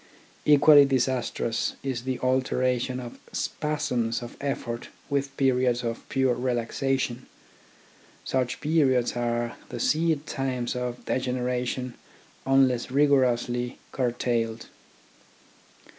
TECHNICAL EDUCATION 55 Equally disastrous is the alternation of spasms of effort with periods of pure relaxation. Such periods are the seed times of degeneration, unless rigorously curtailed.